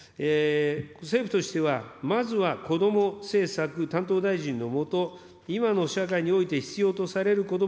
政府としては、まずはこども政策担当大臣の下、今の社会において必要とされるこども・